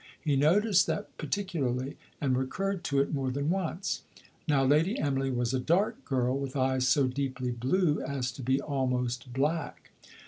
He noticed that particularly, and recurred to it more than once. Now Lady Emily was a dark girl, with eyes so deeply blue as to be almost black.